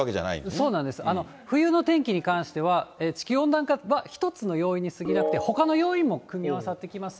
そうなんです、冬の天気に関しては、地球温暖化は一つの要因にすぎなくて、ほかの要因も組み合わさってきます。